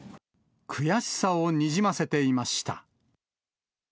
悔しさをにじませていました。